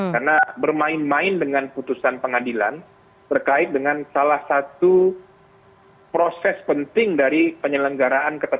karena bermain main dengan putusan pengadilan berkait dengan salah satu proses penting dari penyelenggaraan ketatanan